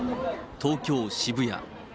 東京・渋谷。